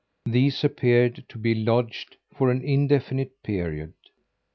These appeared to be lodged for an indefinite period.